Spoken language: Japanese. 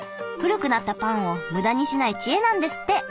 古くなったパンを無駄にしない知恵なんですって。